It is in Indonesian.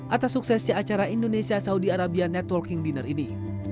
atas suksesnya acara indonesia saudi arabia networking dinner ini